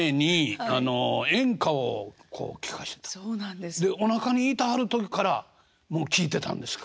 でおなかにいてはる時からもう聴いてたんですか。